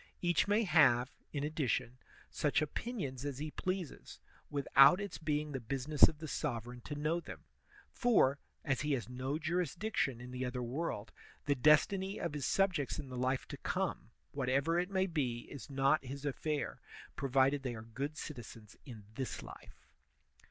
Each may have, in ad dition, such opinions as he pleases, without its being the business of the sovereign to know them; for, as he has no jurisdiction in the other world, the destiny of his subjects in the life to come, whatever it may be, is not his affair, provided they are good citizens in this life.